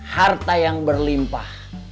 harta yang berlimpah